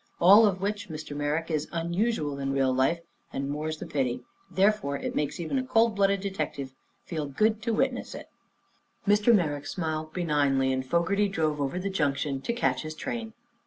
All of which, Mr. Merrick is unusual in real life, more's the pity, and therefore it makes even a cold blooded detective feel good to witness it." Mr. Merrick smiled benignantly and Fogerty drove over to the Junction to catch his train.